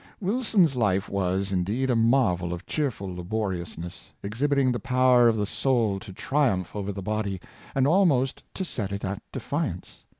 Wilson's life was, indeed, a marvel of cheerful labor iousness, exhibiting the pov/er of the soul to triumph over the body, and almost to set it at defiance.